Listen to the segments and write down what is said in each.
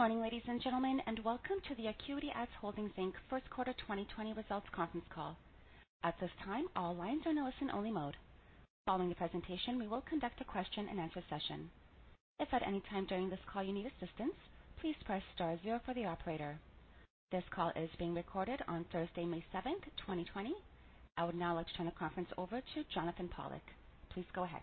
Good morning, ladies and gentlemen, and welcome to the AcuityAds Holdings Inc. First Quarter 2020 Results Conference Call. At this time, all lines are in a listen-only mode. Following the presentation, we will conduct a question-and-answer session. If at any time during this call you need assistance, please press star zero for the operator. This call is being recorded on Thursday, May 7th, 2020. I would now like to turn the conference over to Jonathan Pollack. Please go ahead.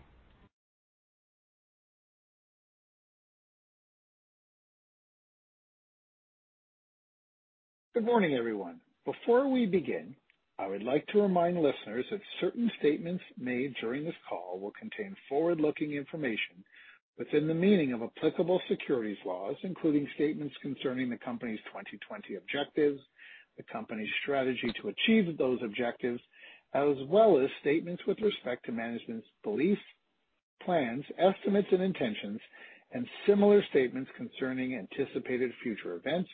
Good morning, everyone. Before we begin, I would like to remind listeners that certain statements made during this call will contain forward-looking information within the meaning of applicable securities laws, including statements concerning the Company's 2020 objectives, the company's strategy to achieve those objectives, as well as statements with respect to management's beliefs, plans, estimates, and intentions, and similar statements concerning anticipated future events,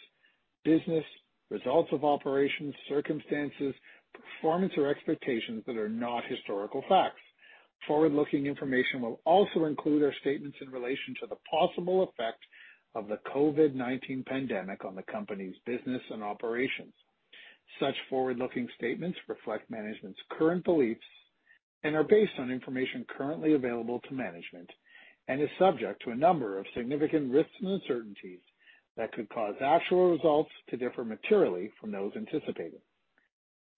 business, results of operations, circumstances, performance, or expectations that are not historical facts. Forward-looking information will also include our statements in relation to the possible effect of the COVID-19 pandemic on the company's business and operations. Such forward-looking statements reflect management's current beliefs and are based on information currently available to management and is subject to a number of significant risks and uncertainties that could cause actual results to differ materially from those anticipated.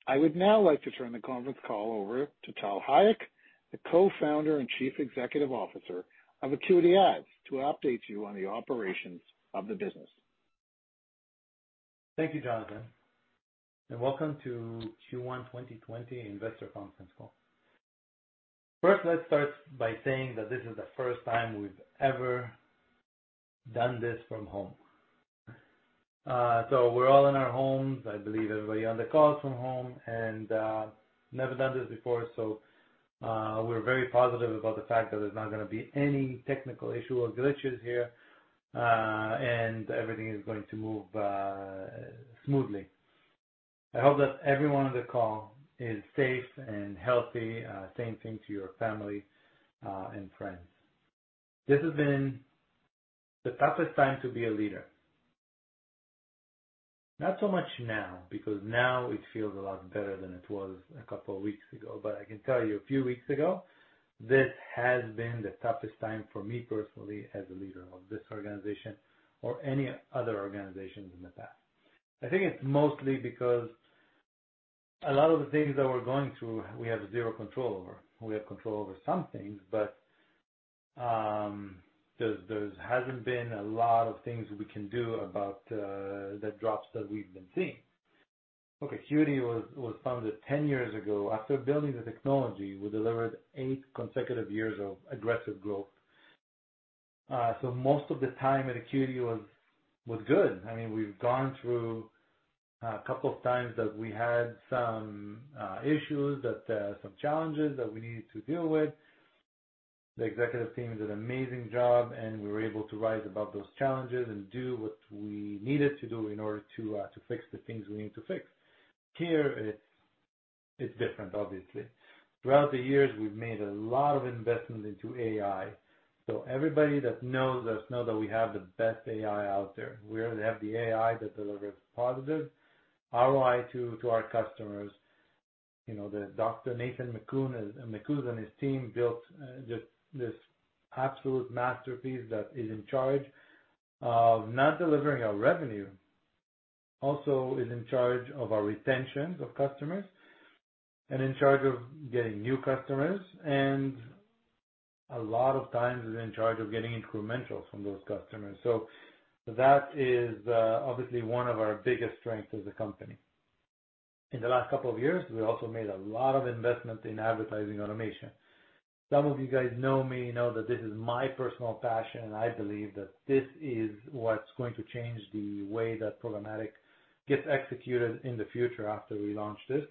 I would now like to turn the conference call over to Tal Hayek, the Co-founder and Chief Executive Officer of AcuityAds, to update you on the operations of the business. Thank you, Jonathan, and welcome to Q1 2020 Investor Conference Call. First, let's start by saying that this is the first time we've ever done this from home. So we're all in our homes. I believe everybody on the call is from home and never done this before, so we're very positive about the fact that there's not gonna be any technical issue or glitches here and everything is going to move smoothly. I hope that everyone on the call is safe and healthy. Same thing to your family and friends. This has been the toughest time to be a leader. Not so much now, because now it feels a lot better than it was a couple of weeks ago. but I can tell you, a few weeks ago, this has been the toughest time for me personally, as a leader of this organization or any other organizations in the past. I think it's mostly because a lot of the things that we're going through, we have zero control over. We have control over some things, but there's hasn't been a lot of things we can do about the drops that we've been seeing. Okay. Acuity was founded 10 years ago. After building the technology, we delivered eight consecutive years of aggressive growth. So most of the time at Acuity was good. I mean, we've gone through a couple of times that we had some issues, some challenges that we needed to deal with. The executive team did an amazing job, and we were able to rise above those challenges and do what we needed to do in order to fix the things we need to fix. Here, it's different, obviously. Throughout the years, we've made a lot of investments into AI. So everybody that knows us know that we have the best AI out there. We have the AI that delivers positive ROI to our customers. You know, Dr. Nathan Mekuz and his team built this absolute masterpiece that is in charge of not delivering our revenue, also is in charge of our retention of customers and in charge of getting new customers, and a lot of times is in charge of getting incrementals from those customers. So that is obviously one of our biggest strengths as a company. In the last couple of years, we also made a lot of investments in advertising automation. Some of you guys know me, know that this is my personal passion, and I believe that this is what's going to change the way that programmatic gets executed in the future after we launch this,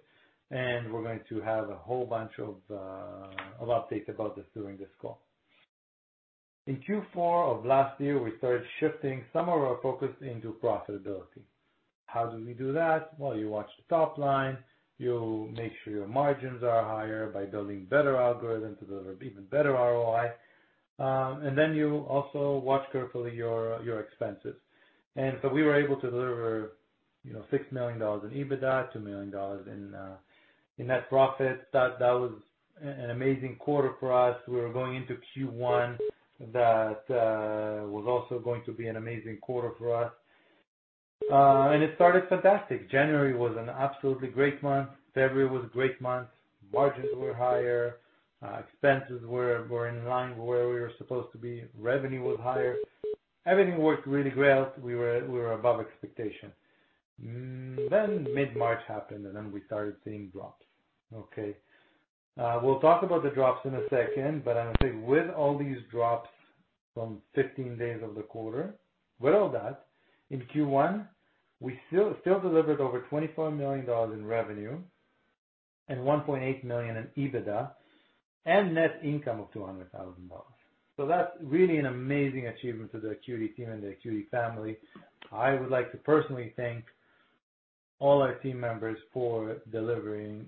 and we're going to have a whole bunch of updates about this during this call. In Q4 of last year, we started shifting some of our focus into profitability. How do we do that? Well, you watch the top line. You make sure your margins are higher by building better algorithms to deliver even better ROI. And then you also watch carefully your expenses, and so we were able to deliver, you know, 6 million dollars in EBITDA, 2 million dollars in net profit. That was an amazing quarter for us. We were going into Q1. That was also going to be an amazing quarter for us. And it started fantastic. January was an absolutely great month. February was a great month. Margins were higher. Expenses were in line where we were supposed to be. Revenue was higher. Everything worked really well. We were above expectation. Then mid-March happened, and then we started seeing drops. We'll talk about the drops in a second, but I'm gonna say, with all these drops from 15 days of the quarter, with all that, in Q1, we still delivered over 24 million dollars in revenue and 1.8 million in EBITDA and net income of 200,000 dollars. So that's really an amazing achievement for the Acuity team and the Acuity family. I would like to personally thank all our team members for delivering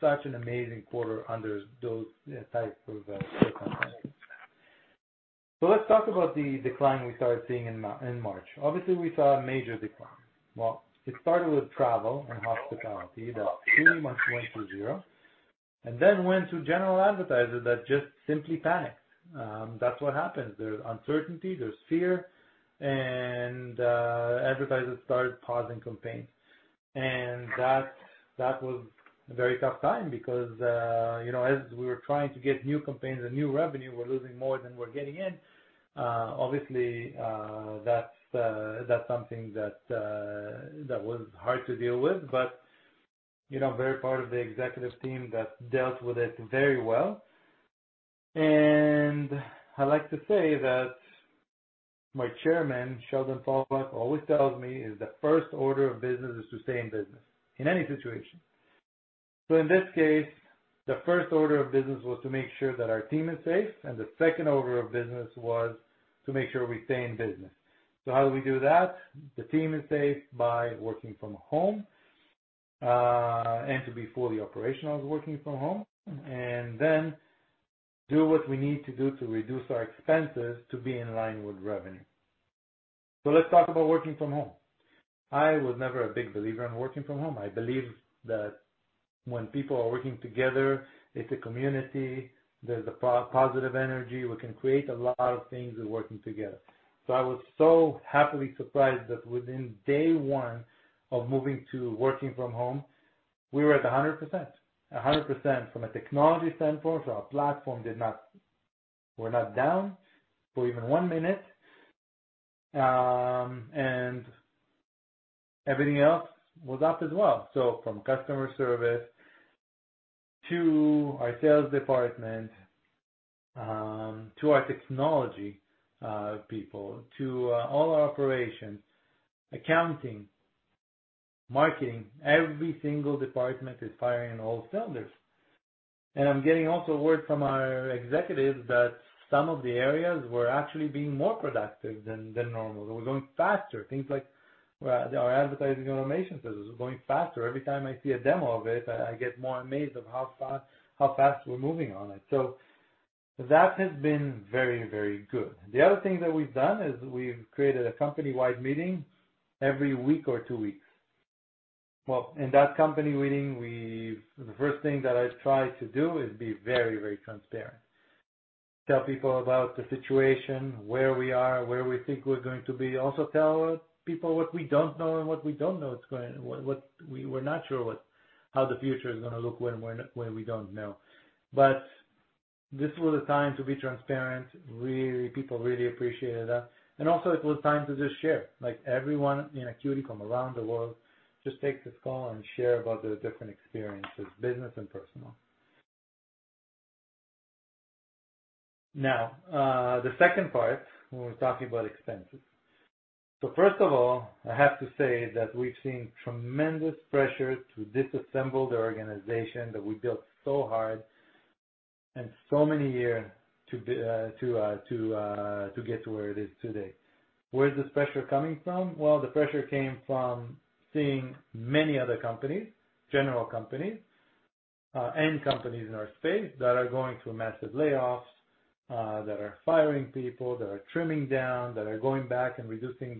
such an amazing quarter under those types of circumstances. So let's talk about the decline we started seeing in March. Obviously, we saw a major decline. Well, it started with travel and hospitality, that pretty much went to zero, and then went to general advertisers that just simply panicked. That's what happens. There's uncertainty, there's fear, and advertisers started pausing campaigns. And that was a very tough time because you know, as we were trying to get new campaigns and new revenue, we're losing more than we're getting in. Obviously, that's something that was hard to deal with, but you know, I'm very part of the executive team that dealt with it very well. I like to say that my chairman, Sheldon Pollack, always tells me, is the first order of business is to stay in business, in any situation. So in this case, the first order of business was to make sure that our team is safe, and the second order of business was to make sure we stay in business. So how do we do that? The team is safe by working from home, and to be fully operational working from home, and then do what we need to do to reduce our expenses to be in line with revenue. So let's talk about working from home. I was never a big believer in working from home. I believe that when people are working together, it's a community, there's a positive energy. We can create a lot of things in working together. I was so happily surprised that within day one of moving to working from home, we were at 100%. 100% from a technology standpoint. Our platform was not down for even one minute, and everything else was up as well. From customer service to our sales department, to our technology people, to all our operations, accounting, marketing, every single department is firing on all cylinders. I'm getting also word from our executives that some of the areas were actually being more productive than normal. They were going faster. Things like our advertising automation business was going faster. Every time I see a demo of it, I get more amazed of how fast we're moving on it. That has been very, very good. The other thing that we've done is we've created a company-wide meeting every week or two weeks. In that company meeting, we, the first thing that I try to do is be very, very transparent. Tell people about the situation, where we are, where we think we're going to be. Also, tell people what we don't know and what we don't know what's going, what we were not sure what, how the future is gonna look when we're, when we don't know, but this was a time to be transparent. Really, people really appreciated that, and also it was time to just share. Like, everyone in Acuity, around the world, just takes this call and share about their different experiences, business and personal. Now, the second part, when we're talking about expenses. So first of all, I have to say that we've seen tremendous pressure to disassemble the organization that we built so hard and so many years to get to where it is today. Where is this pressure coming from? Well, the pressure came from seeing many other companies, general companies, and companies in our space, that are going through massive layoffs, that are firing people, that are trimming down, that are going back and reducing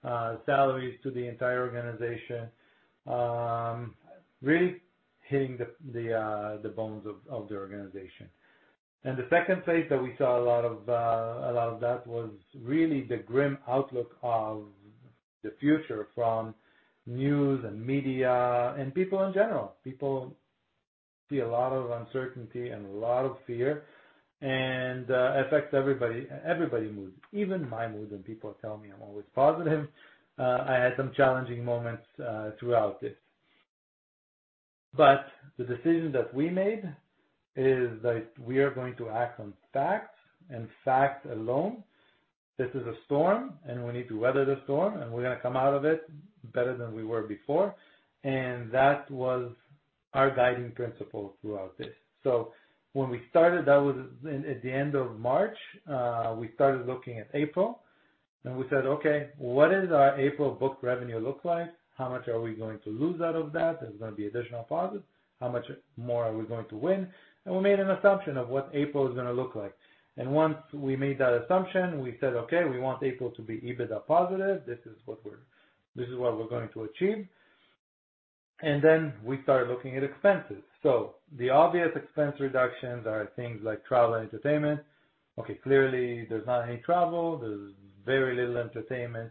the salaries to the entire organization. Really hitting the bones of the organization. And the second place that we saw a lot of that was really the grim outlook of the future from news and media and people in general. People see a lot of uncertainty and a lot of fear, and it affects everybody, everybody's mood, even my mood. And people tell me I'm always positive. I had some challenging moments throughout this. But the decision that we made is that we are going to act on facts, and facts alone. This is a storm, and we need to weather the storm, and we're gonna come out of it better than we were before. And that was our guiding principle throughout this. So when we started, that was in, at the end of March, we started looking at April, and we said: Okay, what is our April book revenue look like? How much are we going to lose out of that? Is there going to be additional pauses? How much more are we going to win? And we made an assumption of what April is gonna look like. And once we made that assumption, we said: Okay, we want April to be EBITDA positive. This is what we're going to achieve. And then we started looking at expenses. So the obvious expense reductions are things like travel and entertainment. Okay, clearly, there's not any travel. There's very little entertainment.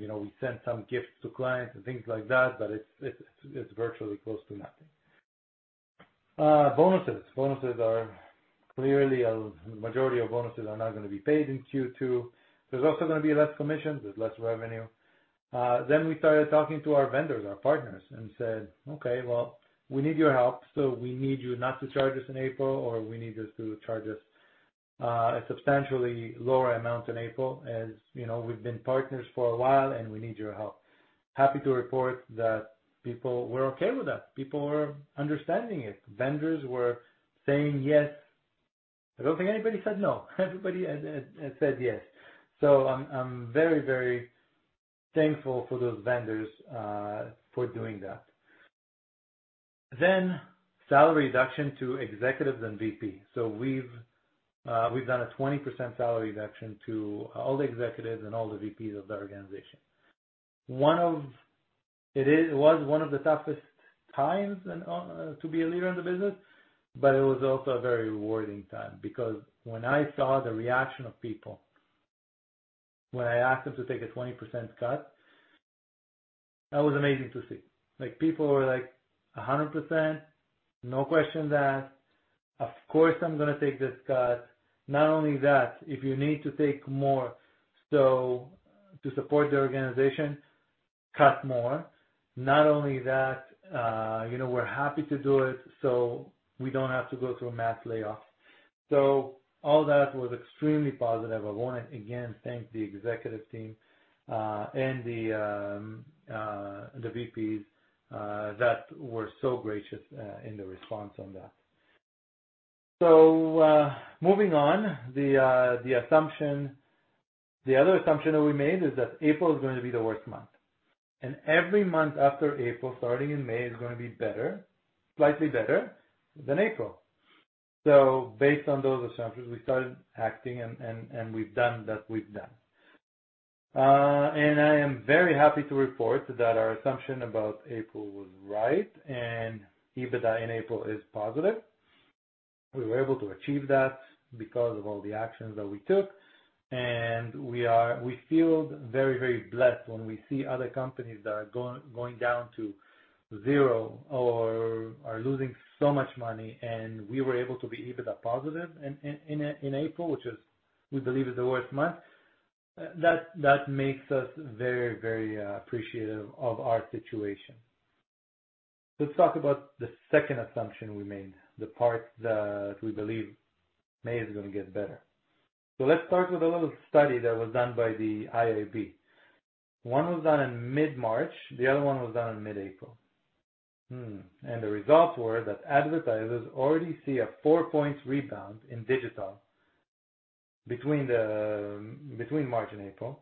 You know, we sent some gifts to clients and things like that, but it's virtually close to nothing. Bonuses. Bonuses are clearly a majority of bonuses are not gonna be paid in Q2. There's also gonna be less commissions. There's less revenue. Then we started talking to our vendors, our partners, and said: Okay, well, we need your help, so we need you not to charge us in April, or we need you to charge us a substantially lower amount in April. As you know, we've been partners for a while, and we need your help. Happy to report that people were okay with that. People were understanding it. Vendors were saying, "Yes", I don't think anybody said no. Everybody has said yes. So I'm very, very thankful for those vendors for doing that. Then salary reduction to executives and VPs. So we've done a 20% salary reduction to all the executives and all the VPs of the organization. It was one of the toughest times and to be a leader in the business, but it was also a very rewarding time. Because when I saw the reaction of people, when I asked them to take a 20% cut, that was amazing to see. Like, people were like, "100%, no question asked. Of course, I'm gonna take this cut. Not only that, if you need to take more, so to support the organization, cut more. Not only that, you know, we're happy to do it, so we don't have to go through a mass layoff." So all that was extremely positive. I wanna again thank the executive team and the VPs that were so gracious in their response on that. So, moving on. The other assumption that we made is that April is going to be the worst month, and every month after April, starting in May, is gonna be better, slightly better than April. So based on those assumptions, we started acting, and we've done what we've done. And I am very happy to report that our assumption about April was right, and EBITDA in April is positive. We were able to achieve that because of all the actions that we took, and we are, we feel very, very blessed when we see other companies that are going down to zero or are losing so much money, and we were able to be EBITDA positive in April, which is, we believe is the worst month. That makes us very, very appreciative of our situation. Let's talk about the second assumption we made, the part that we believe May is gonna get better. So let's start with a little study that was done by the IAB. One was done in mid-March, the other one was done in mid-April, and the results were that advertisers already see a four-point rebound in digital between March and April.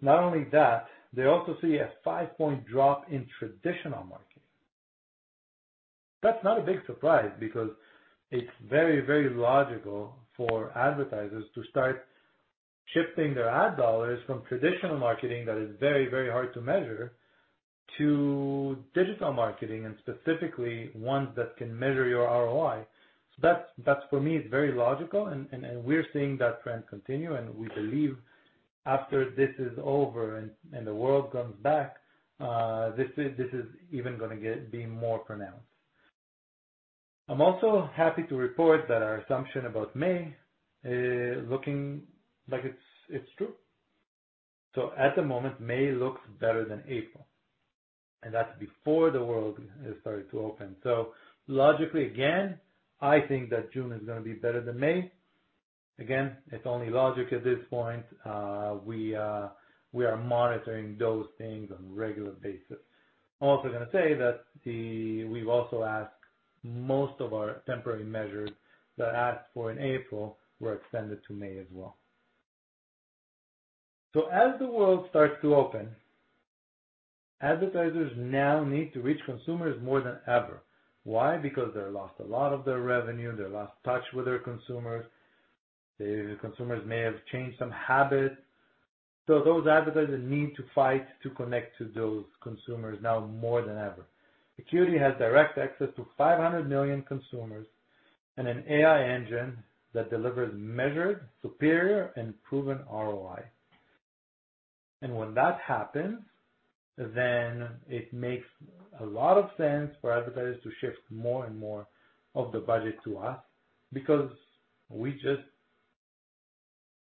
Not only that, they also see a five-point drop in traditional marketing. That's not a big surprise because it's very, very logical for advertisers to start shifting their ad dollars from traditional marketing that is very, very hard to measure, to digital marketing, and specifically ones that can measure your ROI. So that's that for me is very logical, and we're seeing that trend continue, and we believe after this is over and the world comes back, this is even gonna get be more pronounced. I'm also happy to report that our assumption about May looking like it's true. So at the moment, May looks better than April, and that's before the world has started to open. So logically, again, I think that June is gonna be better than May. Again, it's only logic at this point. We are monitoring those things on regular basis. I'm also gonna say that we've also seen that most of the temporary measures that we asked for in April were extended to May as well. So as the world starts to open, advertisers now need to reach consumers more than ever. Why? Because they've lost a lot of their revenue, they've lost touch with their consumers. The consumers may have changed some habits. So those advertisers need to fight to connect to those consumers now more than ever. Acuity has direct access to 500 million consumers and an AI engine that delivers measured, superior, and proven ROI. And when that happens, then it makes a lot of sense for advertisers to shift more and more of their budget to us, because we just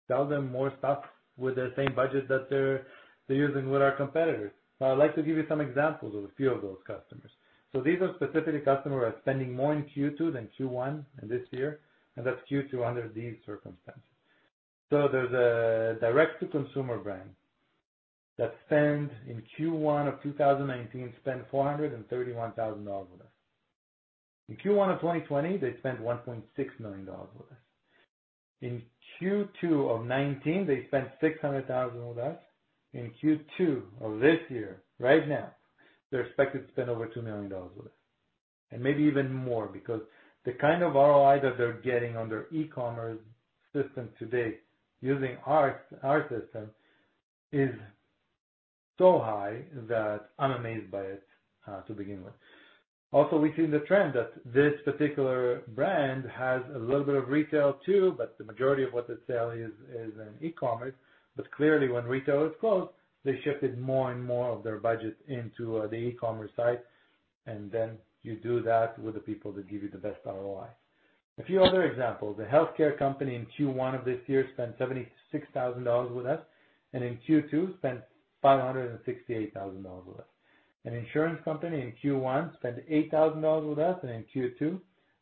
tell them more stuff with the same budget that they're using with our competitors. So I'd like to give you some examples of a few of those customers. So these are specific customers who are spending more in Q2 than Q1 in this year, and that's Q2 under these circumstances. There's a direct-to-consumer brand that spent in Q1 of 2019 431,000 dollars with us. In Q1 of 2020, they spent 1.6 million dollars with us. In Q2 of 2019, they spent 600,000 dollars with us. In Q2 of this year, right now, they're expected to spend over 2 million dollars with us, and maybe even more, because the kind of ROI that they're getting on their e-commerce system today, using our system, is so high that I'm amazed by it, to begin with. Also, we've seen the trend that this particular brand has a little bit of retail too, but the majority of what they sell is in e-commerce. But clearly, when retail is closed, they shifted more and more of their budget into the e-commerce site, and then you do that with the people that give you the best ROI. A few other examples. A healthcare company in Q1 of this year spent 76,000 dollars with us, and in Q2 spent 568,000 dollars with us. An insurance company in Q1 spent 8,000 dollars with us, and in Q2,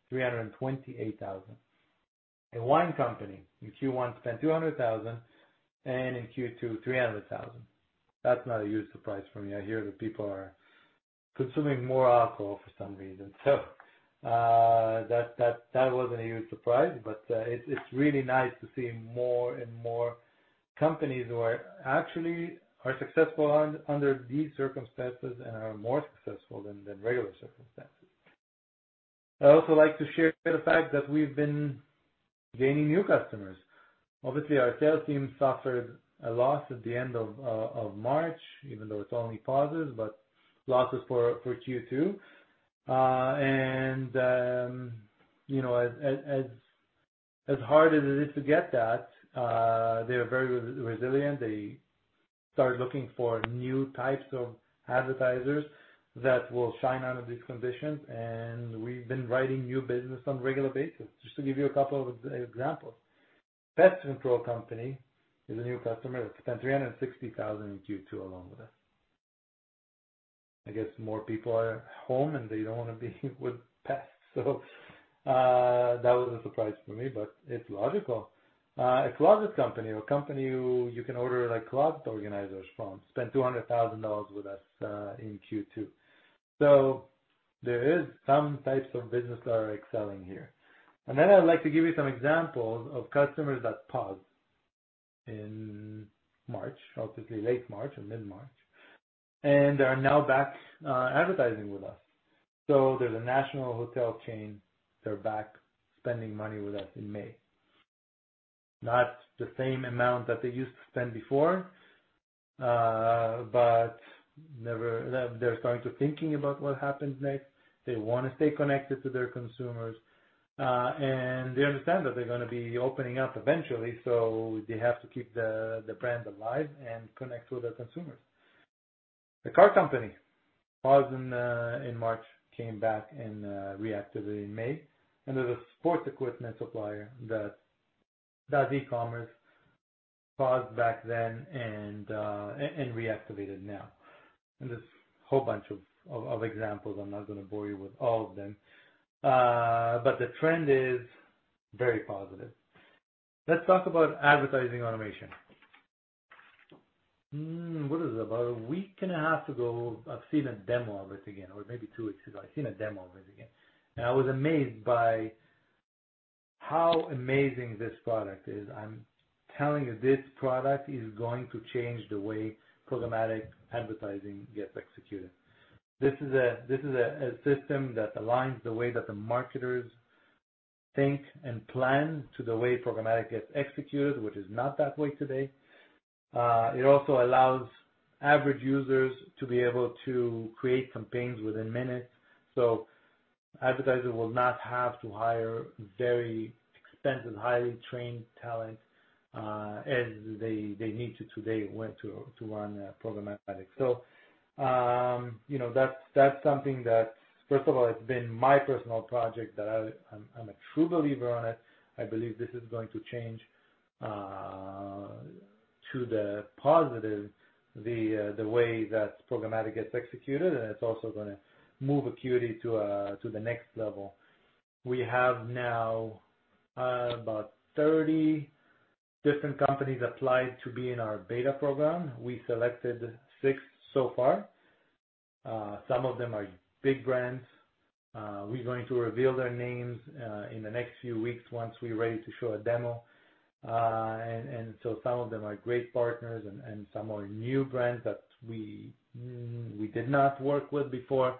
328,000 dollars. A wine company in Q1 spent 200,000, and in Q2, 300,000. That's not a huge surprise for me. I hear that people are consuming more alcohol for some reason. That wasn't a huge surprise, but it's really nice to see more and more companies who are actually successful under these circumstances and are more successful than regular circumstances. I'd also like to share the fact that we've been gaining new customers. Obviously, our sales team suffered a loss at the end of March, even though it's only pauses, but losses for Q2. And you know, as hard as it is to get that, they are very resilient. They start looking for new types of advertisers that will shine out of these conditions, and we've been writing new business on a regular basis. Just to give you a couple of examples. Pest control company is a new customer that spent 360,000 in Q2 along with us. I guess more people are at home, and they don't want to be with pests, so that was a surprise for me, but it's logical. A closet company or a company who you can order, like, closet organizers from, spent 200,000 dollars with us in Q2, so there is some types of business that are excelling here, and then I'd like to give you some examples of customers that paused in March, relatively late March or mid-March, and are now back advertising with us, so there's a national hotel chain that are back spending money with us in May. Not the same amount that they used to spend before, but they're starting to thinking about what happens next. They want to stay connected to their consumers, and they understand that they're gonna be opening up eventually, so they have to keep the brand alive and connect with their consumers. The car company paused in March, came back and reactivated in May. And there's a sports equipment supplier that does e-commerce, paused back then and reactivated now. And there's a whole bunch of examples. I'm not gonna bore you with all of them, but the trend is very positive. Let's talk about advertising automation. What is it? About a week and a half ago, I've seen a demo of it again, or maybe two weeks ago, and I was amazed by how amazing this product is. I'm telling you, this product is going to change the way programmatic advertising gets executed. This is a system that aligns the way that the marketers think and plan to the way programmatic gets executed, which is not that way today. It also allows average users to be able to create campaigns within minutes, so advertisers will not have to hire very expensive, highly trained talent, as they need to today to run programmatic. You know, that's something that, first of all, it's been my personal project that I'm a true believer in it. I believe this is going to change to the positive the way that programmatic gets executed, and it's also gonna move Acuity to the next level. We have now about thirty different companies applied to be in our beta program. We selected six so far. Some of them are big brands. We're going to reveal their names in the next few weeks once we're ready to show a demo. And so some of them are great partners and some are new brands that we did not work with before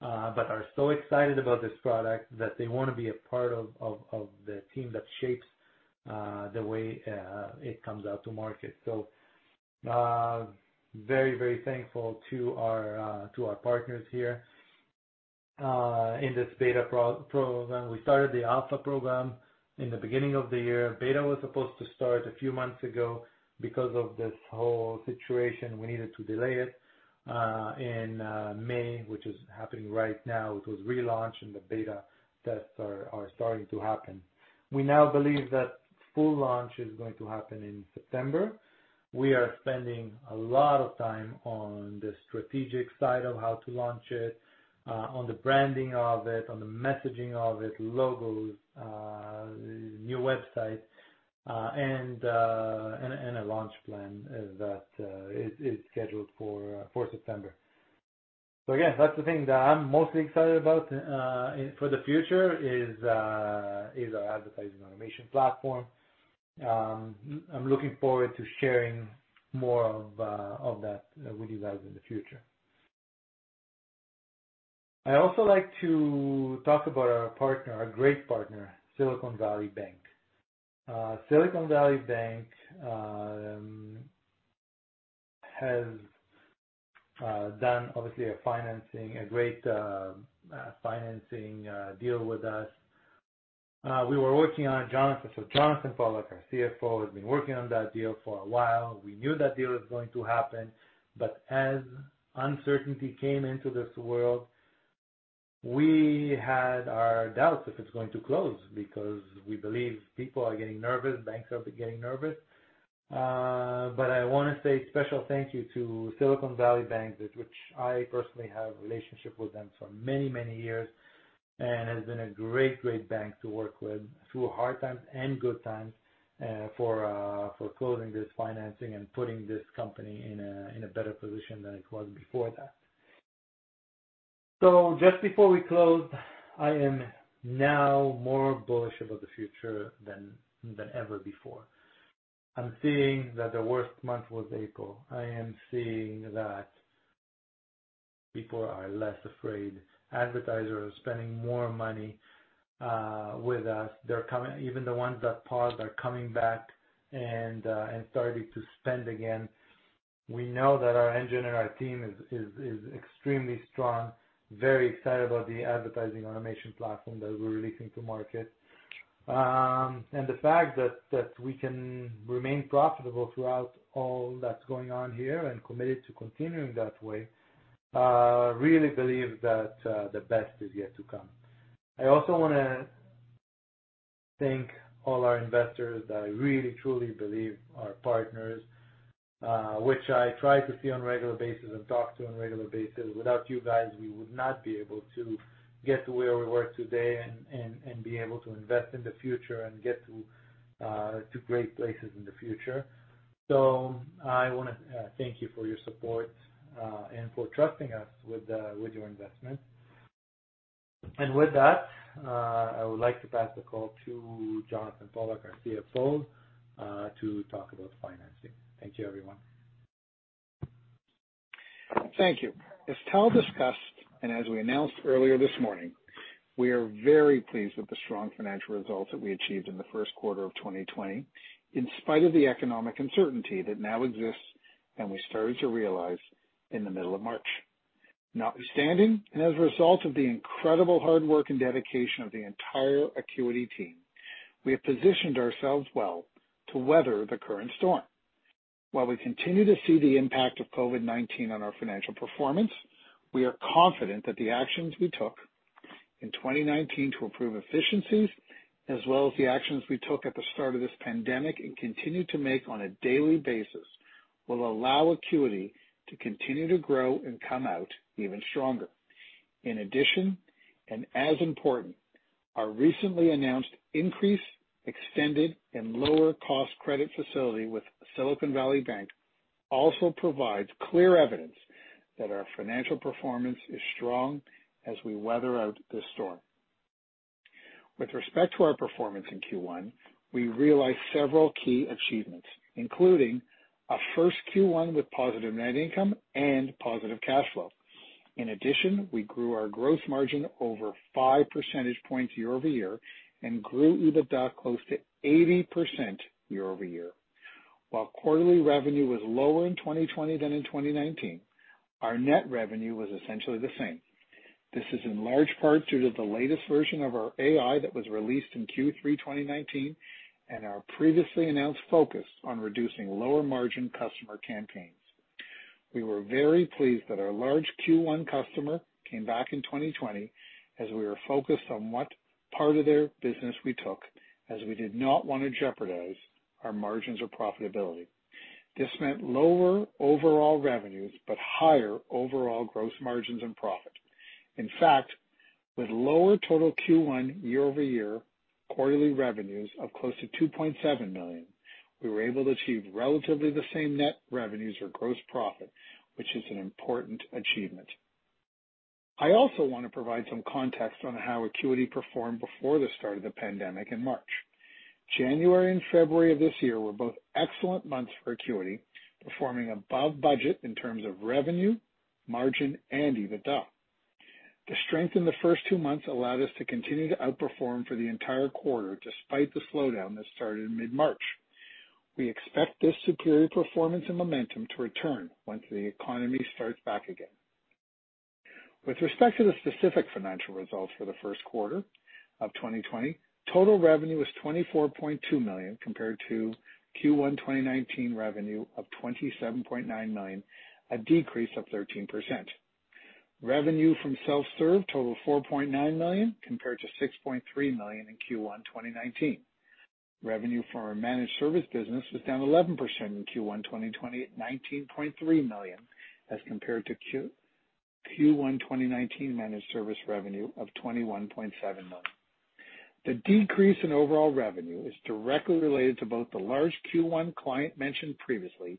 but are so excited about this product that they want to be a part of the team that shapes the way it comes out to market, so very very thankful to our partners here in this beta program. We started the alpha program in the beginning of the year. Beta was supposed to start a few months ago. Because of this whole situation, we needed to delay it in May, which is happening right now. It was relaunched, and the beta tests are starting to happen. We now believe that full launch is going to happen in September. We are spending a lot of time on the strategic side of how to launch it on the branding of it, on the messaging of it, logos, new website, and a launch plan that is scheduled for September. So again, that's the thing that I'm mostly excited about for the future is our Advertising Automation platform. I'm looking forward to sharing more of that with you guys in the future. I also like to talk about our partner, our great partner, Silicon Valley Bank. Silicon Valley Bank has done obviously a great financing deal with us. We were working on Jonathan. So Jonathan Pollack, our CFO, has been working on that deal for a while. We knew that deal was going to happen, but as uncertainty came into this world, we had our doubts if it's going to close because we believe people are getting nervous, banks are getting nervous. But I want to say a special thank you to Silicon Valley Bank, which I personally have a relationship with them for many, many years... and has been a great, great bank to work with through hard times and good times, for closing this financing and putting this company in a better position than it was before that. So just before we close, I am now more bullish about the future than ever before. I'm seeing that the worst month was April. I am seeing that people are less afraid. Advertisers are spending more money with us. They're coming. Even the ones that paused are coming back and starting to spend again. We know that our engine and our team is extremely strong, very excited about the advertising automation platform that we're releasing to market. And the fact that we can remain profitable throughout all that's going on here and committed to continuing that way, really believe that the best is yet to come. I also wanna thank all our investors that I really, truly believe are partners, which I try to see on a regular basis and talk to on a regular basis. Without you guys, we would not be able to get to where we were today and be able to invest in the future and get to great places in the future. So I wanna thank you for your support and for trusting us with your investment. And with that, I would like to pass the call to Jonathan Pollack, our CFO, to talk about financing. Thank you, everyone. Thank you. As Tal discussed, and as we announced earlier this morning, we are very pleased with the strong financial results that we achieved in the first quarter of 2020, in spite of the economic uncertainty that now exists and we started to realize in the middle of March. Notwithstanding, and as a result of the incredible hard work and dedication of the entire Acuity team, we have positioned ourselves well to weather the current storm. While we continue to see the impact of COVID-19 on our financial performance, we are confident that the actions we took in 2019 to improve efficiencies, as well as the actions we took at the start of this pandemic and continue to make on a daily basis, will allow Acuity to continue to grow and come out even stronger. In addition, and as important, our recently announced increase, extended, and lower cost credit facility with Silicon Valley Bank also provides clear evidence that our financial performance is strong as we weather out this storm. With respect to our performance in Q1, we realized several key achievements, including a first Q1 with positive net income and positive cash flow. In addition, we grew our gross margin over five percentage points year over year and grew EBITDA close to 80% year over year. While quarterly revenue was lower in 2020 than in 2019, our net revenue was essentially the same. This is in large part due to the latest version of our AI that was released in Q3 2019, and our previously announced focus on reducing lower-margin customer campaigns. We were very pleased that our large Q1 customer came back in 2020, as we were focused on what part of their business we took, as we did not want to jeopardize our margins or profitability. This meant lower overall revenues, but higher overall gross margins and profit. In fact, with lower total Q1 year-over-year quarterly revenues of close to 2.7 million, we were able to achieve relatively the same net revenues or gross profit, which is an important achievement. I also want to provide some context on how Acuity performed before the start of the pandemic in March. January and February of this year were both excellent months for Acuity, performing above budget in terms of revenue, margin, and EBITDA. The strength in the first two months allowed us to continue to outperform for the entire quarter, despite the slowdown that started in mid-March. We expect this superior performance and momentum to return once the economy starts back again. With respect to the specific financial results for the first quarter of 2020, total revenue was 24.2 million, compared to Q1 2019 revenue of 27.9 million, a decrease of 13%. Revenue from self-serve totaled 4.9 million, compared to 6.3 million in Q1 2019. Revenue for our managed service business was down 11% in Q1 2020, at 19.3 million, as compared to Q1 2019 Managed Service revenue of 21.7 million. The decrease in overall revenue is directly related to both the large Q1 client mentioned previously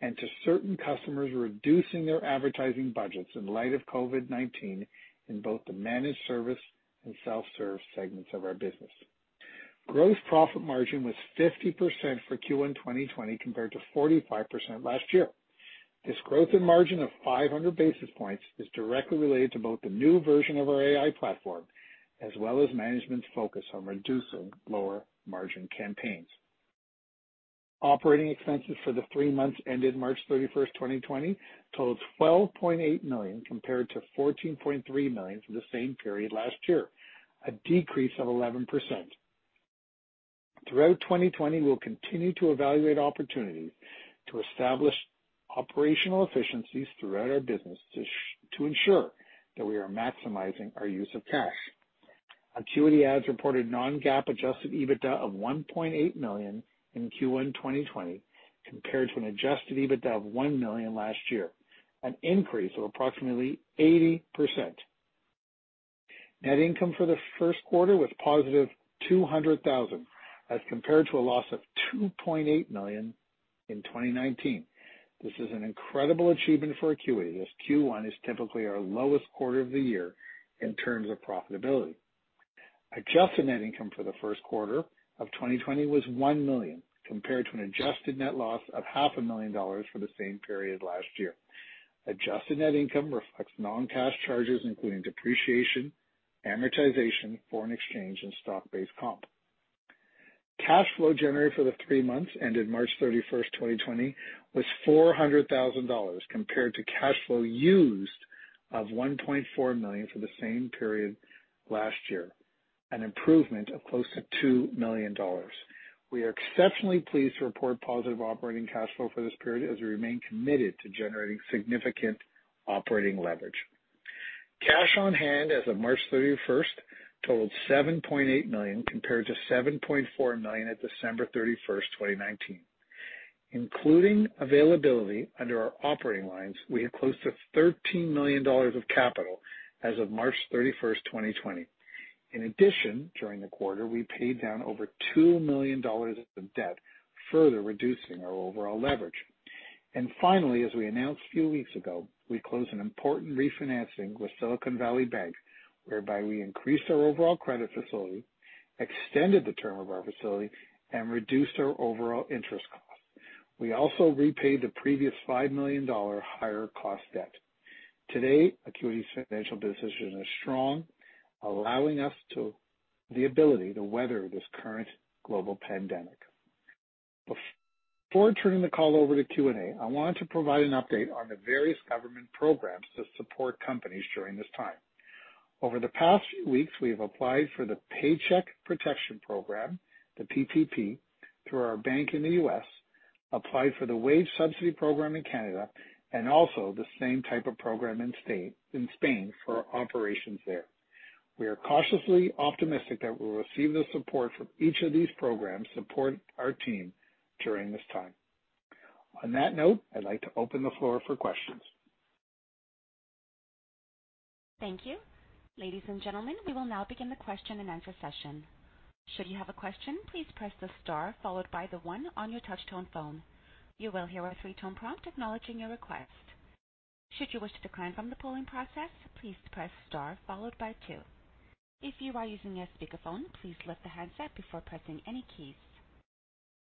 and to certain customers reducing their advertising budgets in light of COVID-19 in both the managed service and self-serve segments of our business. Gross profit margin was 50% for Q1 2020, compared to 45% last year. This growth in margin of five hundred basis points is directly related to both the new version of our AI platform, as well as management's focus on reducing lower-margin campaigns. Operating expenses for the three months ended March 31st, 2020, totaled 12.8 million, compared to 14.3 million for the same period last year, a decrease of 11%. Throughout 2020, we'll continue to evaluate opportunities to establish operational efficiencies throughout our business to ensure that we are maximizing our use of cash. AcuityAds reported non-GAAP adjusted EBITDA of 1.8 million in Q1 2020, compared to an adjusted EBITDA of 1 million last year, an increase of approximately 80%. Net income for the first quarter was 200,000, as compared to a loss of 2.8 million in 2019. This is an incredible achievement for Acuity, as Q1 is typically our lowest quarter of the year in terms of profitability. Adjusted net income for the first quarter of 2020 was 1 million, compared to an adjusted net loss of 500,000 dollars for the same period last year. Adjusted net income reflects non-cash charges, including depreciation, amortization, foreign exchange, and stock-based comp. Cash flow generated for the three months ended March 31st, 2020, was 400,000 dollars, compared to cash flow used of 1.4 million for the same period last year, an improvement of close to 2 million dollars. We are exceptionally pleased to report positive operating cash flow for this period, as we remain committed to generating significant operating leverage. Cash on hand as of March 31st totaled 7.8 million, compared to 7.4 million at December 31st, 2019. Including availability under our operating lines, we had close to 13 million dollars of capital as of March 31st, 2020. In addition, during the quarter, we paid down over 2 million dollars of debt, further reducing our overall leverage. And finally, as we announced a few weeks ago, we closed an important refinancing with Silicon Valley Bank, whereby we increased our overall credit facility, extended the term of our facility, and reduced our overall interest cost. We also repaid the previous 5 million dollar higher-cost debt. Today, Acuity's financial position is strong, allowing us the ability to weather this current global pandemic. Before turning the call over to Q&A, I wanted to provide an update on the various government programs to support companies during this time. Over the past few weeks, we have applied for the Paycheck Protection Program, the PPP, through our bank in the U.S., applied for the Wage Subsidy Program in Canada, and also the same type of program in Spain for our operations there. We are cautiously optimistic that we will receive the support from each of these programs, support our team during this time. On that note, I'd like to open the floor for questions. Thank you. Ladies and gentlemen, we will now begin the question-and-answer session. Should you have a question, please press the star followed by the one on your touchtone phone. You will hear a three-tone prompt acknowledging your request. Should you wish to decline from the polling process, please press star followed by two. If you are using a speakerphone, please lift the handset before pressing any keys.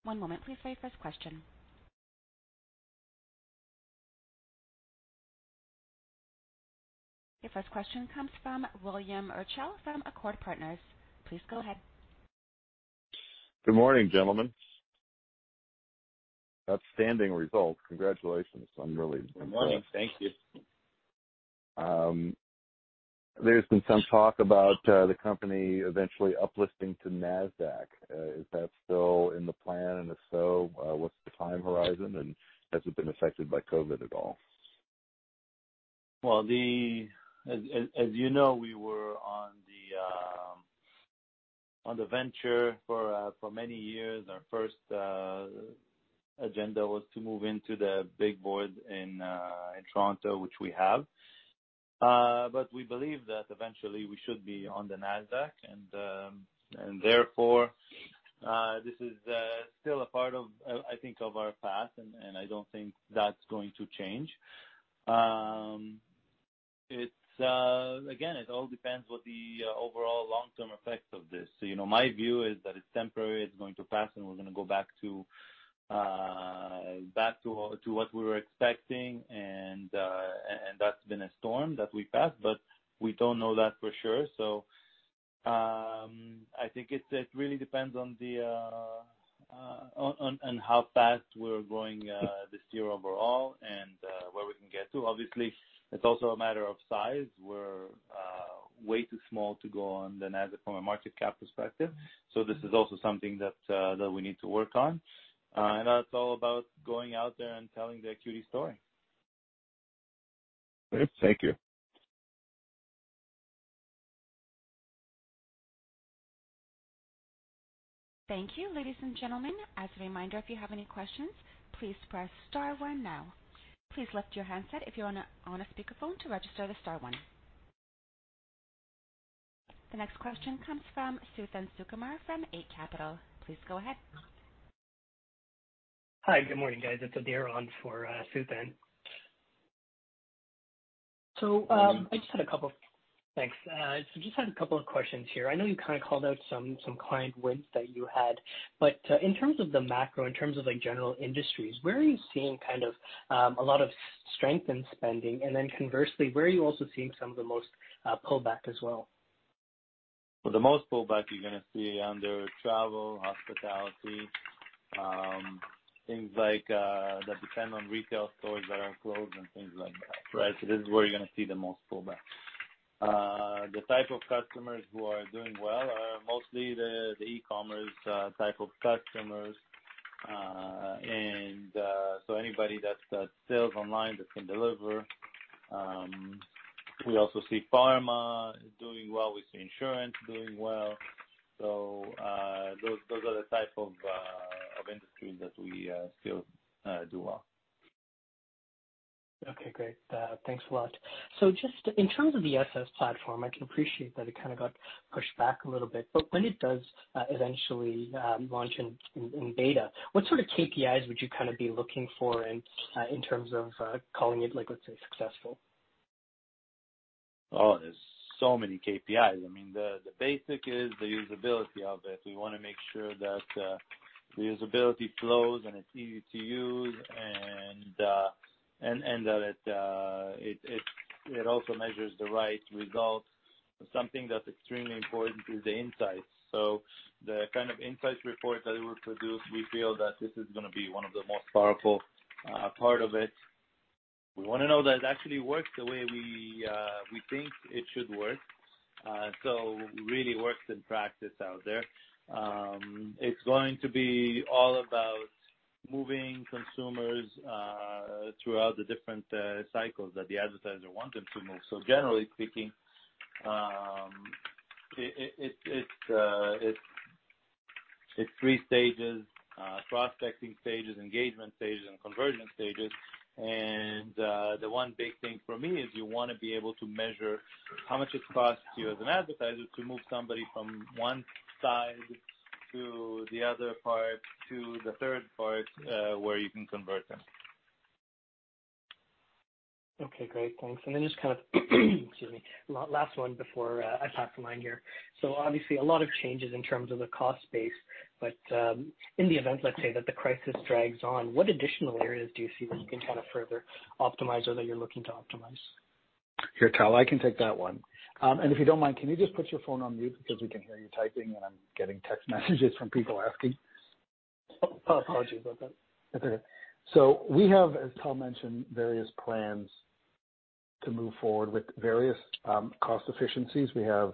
One moment, please, for your first question. Your first question comes from William Urschel from Accord Partners. Please go ahead. Good morning, gentlemen. Outstanding results. Congratulations. I'm really impressed. Good morning. Thank you. There's been some talk about the company eventually uplisting to Nasdaq. Is that still in the plan? And if so, what's the time horizon, and has it been affected by COVID at all? As you know, we were on the venture for many years. Our first agenda was to move into the big board in Toronto, which we have. But we believe that eventually we should be on the Nasdaq, and therefore this is still a part of, I think, of our path, and I don't think that's going to change. It's. Again, it all depends what the overall long-term effects of this. So, you know, my view is that it's temporary, it's going to pass, and we're gonna go back to what we were expecting, and that's been a storm that we passed, but we don't know that for sure. I think it really depends on how fast we're growing this year overall and where we can get to. Obviously, it's also a matter of size. We're way too small to go on the Nasdaq from a market cap perspective, so this is also something that we need to work on. And that's all about going out there and telling the Acuity story. Great. Thank you. Thank you. Ladies and gentlemen, as a reminder, if you have any questions, please press star one now. Please lift your handset if you're on a speakerphone to register the star one. The next question comes from Suthan Sukumar from Eight Capital. Please go ahead. Hi, good morning, guys. It's Adhir on for Suthan. So I just had a couple of questions here. I know you kind of called out some client wins that you had, but in terms of the macro, in terms of like general industries, where are you seeing kind of a lot of strength in spending? And then conversely, where are you also seeing some of the most pullback as well? For the most pullback, you're gonna see under travel, hospitality, things like, that depend on retail stores that are closed and things like that, right? So this is where you're gonna see the most pullback. The type of customers who are doing well, mostly the e-commerce type of customers. And so anybody that's sales online that can deliver. We also see pharma doing well. We see insurance doing well. So those are the type of industries that we still do well. Okay, great. Thanks a lot. So just in terms of the SS platform, I can appreciate that it kind of got pushed back a little bit, but when it does eventually launch in beta, what sort of KPIs would you kind of be looking for in terms of calling it, like, let's say, successful? Oh, there's so many KPIs. I mean, the basic is the usability of it. We wanna make sure that the usability flows and it's easy to use, and that it also measures the right results. Something that's extremely important is the insights. So the kind of insights report that it will produce, we feel that this is gonna be one of the most powerful part of it. We wanna know that it actually works the way we think it should work, so really works in practice out there. It's going to be all about moving consumers throughout the different cycles that the advertiser want them to move. So generally speaking, it's three stages, prospecting stages, engagement stages, and conversion stages. The one big thing for me is you wanna be able to measure how much it costs you as an advertiser to move somebody from one side to the other part, to the third part, where you can convert them. Okay, great, thanks. And then just kind of, excuse me, last one before, I pass the line here. So obviously, a lot of changes in terms of the cost base, but, in the event, let's say, that the crisis drags on, what additional areas do you see where you can kind of further optimize or that you're looking to optimize? Here, Tal, I can take that one, and if you don't mind, can you just put your phone on mute because we can hear you typing, and I'm getting text messages from people asking? Oh, apologies about that. That's okay. So we have, as Tal mentioned, various plans to move forward with various cost efficiencies. We have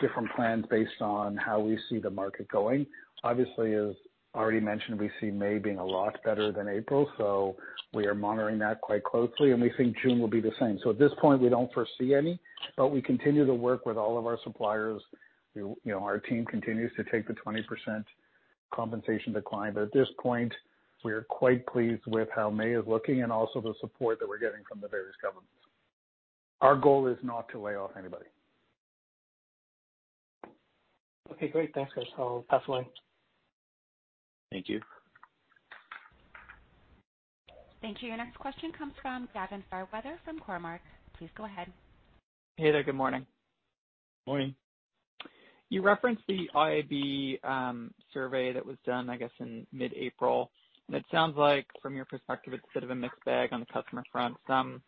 different plans based on how we see the market going. Obviously, as already mentioned, we see May being a lot better than April, so we are monitoring that quite closely, and we think June will be the same. So at this point, we don't foresee any, but we continue to work with all of our suppliers. You know, our team continues to take the 20% compensation decline, but at this point, we are quite pleased with how May is looking and also the support that we're getting from the various governments. Our goal is not to lay off anybody. Okay, great. Thanks, guys. I'll pass the line. Thank you. Thank you. Your next question comes from Gavin Fairweather from Cormark. Please go ahead. Hey there. Good morning. Morning. You referenced the IAB survey that was done, I guess, in mid-April. And it sounds like from your perspective, it's a bit of a mixed bag on the customer front. Some,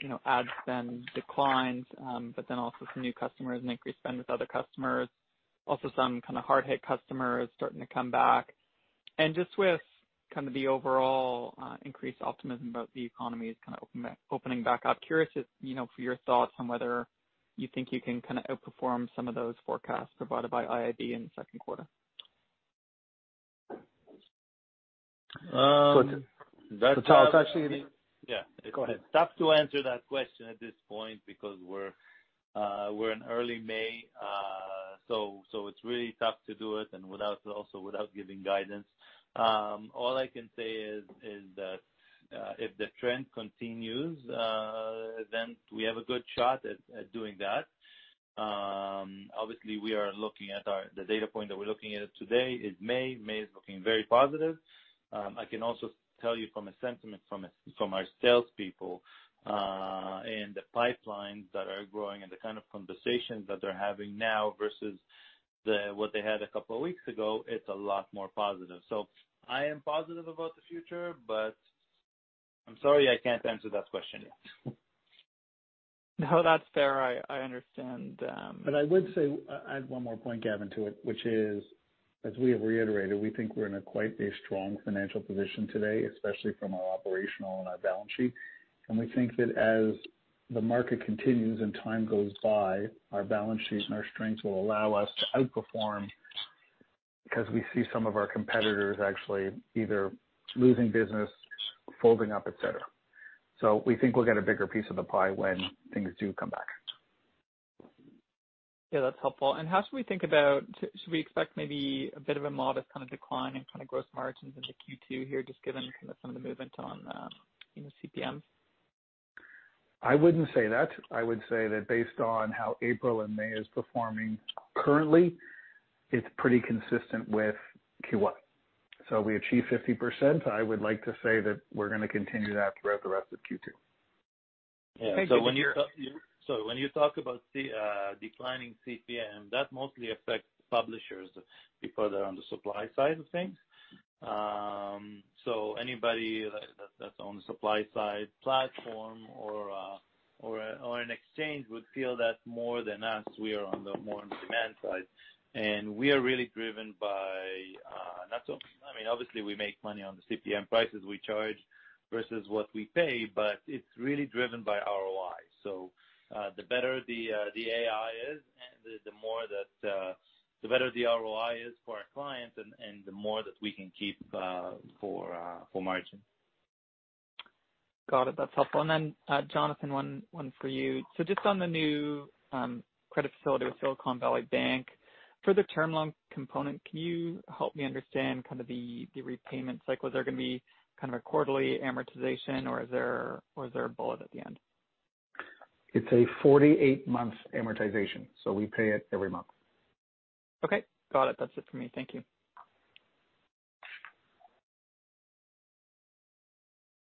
you know, ad spend declined, but then also some new customers and increased spend with other customers, also some kind of hard-hit customers starting to come back. And just with kind of the overall increased optimism about the economy is kind of opening back up, curious just, you know, for your thoughts on whether you think you can kind of outperform some of those forecasts provided by IAB in the second quarter? Umm Yeah. Go ahead. It's tough to answer that question at this point because we're in early May, so it's really tough to do it without also giving guidance. All I can say is that if the trend continues, then we have a good shot at doing that. Obviously, we are looking at our. The data point that we're looking at it today is May. May is looking very positive. I can also tell you from a sentiment from our salespeople, and the pipelines that are growing and the kind of conversations that they're having now versus what they had a couple of weeks ago, it's a lot more positive. So I am positive about the future, but I'm sorry I can't answer that question yet. No, that's fair. I understand. But I would say, add one more point, Gavin, to it, which is, as we have reiterated, we think we're in a quite a strong financial position today, especially from our operational and our balance sheet. And we think that as the market continues and time goes by, our balance sheet and our strengths will allow us to outperform, because we see some of our competitors actually either losing business, folding up, et cetera. So we think we'll get a bigger piece of the pie when things do come back. Yeah, that's helpful. And should we expect maybe a bit of a modest kind of decline in kind of gross margins into Q2 here, just given kind of some of the movement on, you know, CPM? I wouldn't say that. I would say that based on how April and May is performing currently, it's pretty consistent with Q1. So we achieved 50%. I would like to say that we're gonna continue that throughout the rest of Q2. Thank you. So when you talk about declining CPM, that mostly affects publishers because they're on the supply side of things. So anybody that's on the supply side platform or an exchange would feel that more than us. We are on the more on demand side, and we are really driven by. That's all. I mean, obviously, we make money on the CPM prices we charge versus what we pay, but it's really driven by ROI. So, the better the AI is, and the more that the better the ROI is for our clients and the more that we can keep for margin. Got it. That's helpful. And then, Jonathan, one, one for you. So just on the new credit facility with Silicon Valley Bank, for the term loan component, can you help me understand kind of the repayment cycle? Is there gonna be kind of a quarterly amortization, or is there, or is there a bullet at the end? It's a 48-month amortization, so we pay it every month. Okay, got it. That's it for me. Thank you.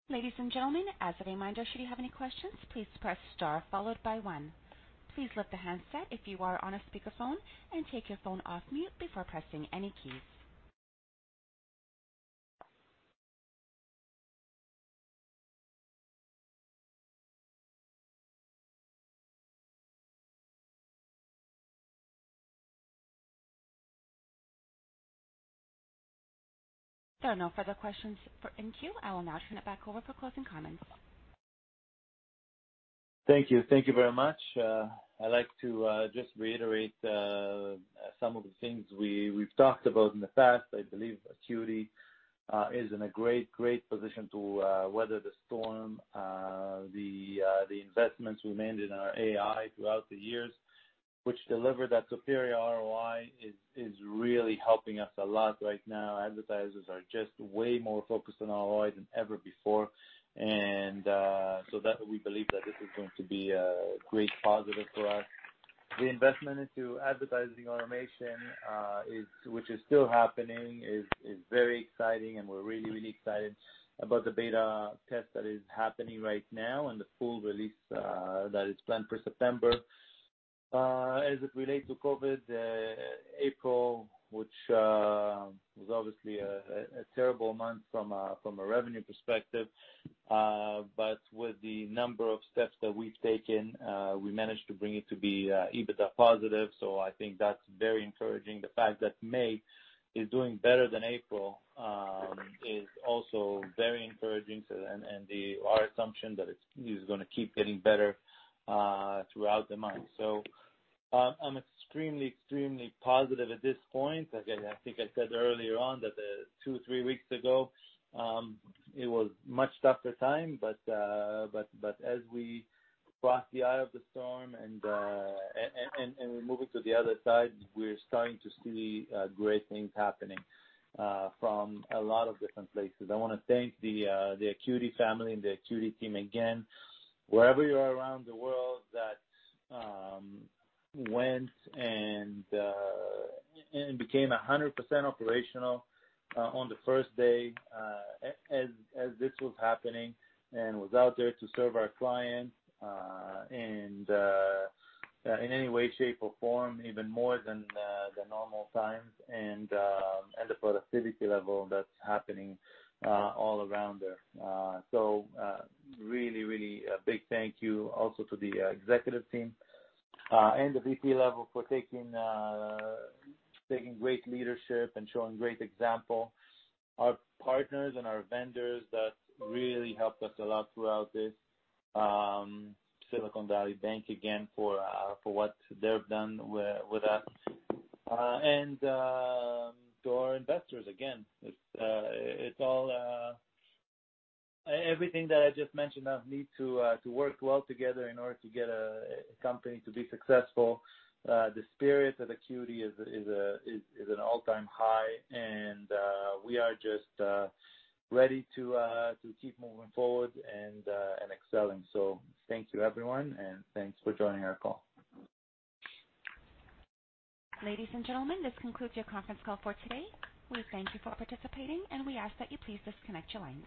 Ladies and gentlemen, as a reminder, should you have any questions, please press star followed by one. Please lift the handset if you are on a speakerphone and take your phone off mute before pressing any keys. There are no further questions in the queue. I will now turn it back over for closing comments. Thank you. Thank you very much. I'd like to just reiterate some of the things we've talked about in the past. I believe Acuity is in a great, great position to weather the storm. The investments we made in our AI throughout the years, which delivered that superior ROI, is really helping us a lot right now. Advertisers are just way more focused on ROI than ever before. And so that we believe that this is going to be a great positive for us. The investment into advertising automation, which is still happening, is very exciting, and we're really, really excited about the beta test that is happening right now and the full release that is planned for September. As it relates to COVID, April, which was obviously a terrible month from a revenue perspective, but with the number of steps that we've taken, we managed to bring it to be EBITDA positive. So I think that's very encouraging. The fact that May is doing better than April is also very encouraging, and our assumption that it's gonna keep getting better throughout the month. So I'm extremely positive at this point. Again, I think I said earlier on that two, three weeks ago, it was much tougher time, but as we cross the eye of the storm and we're moving to the other side, we're starting to see great things happening from a lot of different places. I wanna thank the Acuity family and the Acuity team again, wherever you are around the world, that went and became 100% operational on the first day as this was happening and was out there to serve our clients and in any way, shape, or form, even more than the normal times and the productivity level that's happening all around there. Really, really a big thank you also to the executive team and the VP level for taking great leadership and showing great example. Our partners and our vendors that really helped us a lot throughout this. Silicon Valley Bank, again, for what they've done with us, and to our investors, again, it's all. Everything that I just mentioned now need to work well together in order to get a company to be successful. The spirit of Acuity is an all-time high, and we are just ready to keep moving forward and excelling. Thank you, everyone, and thanks for joining our call. Ladies and gentlemen, this concludes your conference call for today. We thank you for participating, and we ask that you please disconnect your lines.